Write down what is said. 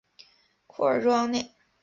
库尔热奥内。